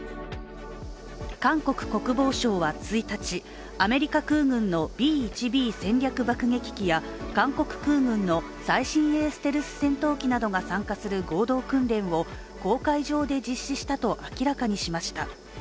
韓国国防省は１日、アメリカ空軍のＢ−１Ｂ戦略爆撃機や韓国空軍の最新鋭ステルス戦闘機などが参加する合同訓練を黄海上で実施したと明らかにしました。